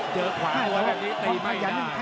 เจอขวาตัวแบบนี้ตีไม่หน้า